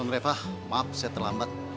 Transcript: nondreva maaf saya terlambat